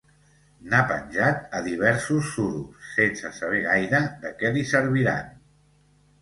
N'ha penjat a diversos suros, sense saber gaire de què li serviran.